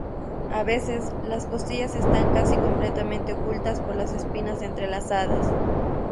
A veces, las costillas están casi completamente ocultas por las espinas entrelazadas.